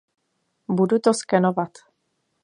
Budu to skenovat.